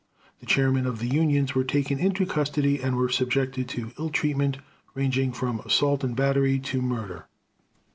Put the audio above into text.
The chairmen of the unions were taken into custody and were subjected to ill treatment, ranging from assault and battery to murder.